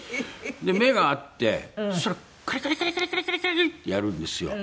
目が合ってそしたらカリカリカリカリってやるんですよ